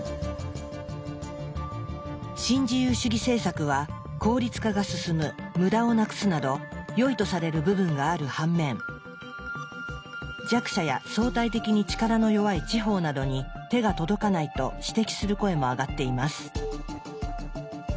新自由主義政策は効率化が進む無駄をなくすなどよいとされる部分がある反面弱者や相対的に力の弱い地方などに手が届かないと指摘する声も上がっています。